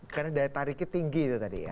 karena daya tariknya tinggi itu tadi ya